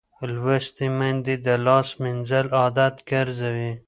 لوستې میندې د لاس مینځل عادت ګرځوي.